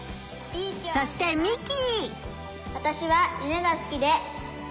そしてミキ！